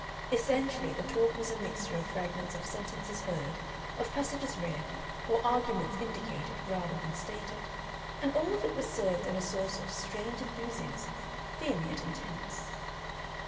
Essentially the talk was a mixture of fragments of sentences heard, of passages read, or arguments indicated rather than stated, and all of it was served in a sauce of strange enthusiasm, thin yet intense.